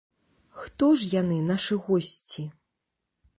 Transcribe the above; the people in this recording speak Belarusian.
Хто ж яны, нашы госці?